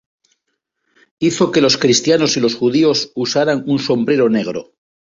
Hizo que los cristianos y los judíos usaran un sombrero negro.